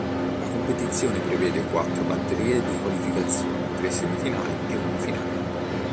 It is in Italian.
La competizione prevede quattro batterie di qualificazione, tre semifinali e una finale.